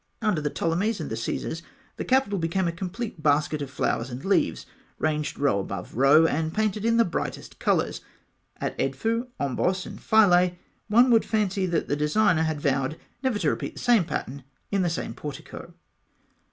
] Under the Ptolemies and the Caesars the capital became a complete basket of flowers and leaves, ranged row above row, and painted in the brightest colours (fig. 67.) At Edfû, Ombos, and Philae one would fancy that the designer had vowed never to repeat the same pattern in the same portico.